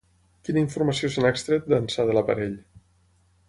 Quina informació se n'ha extret d'ençà de l'aparell?